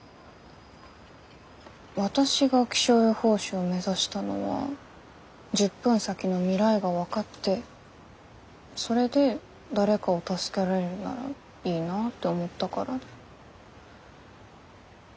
私が気象予報士を目指したのは１０分先の未来が分かってそれで誰かを助けられるならいいなって思ったからで。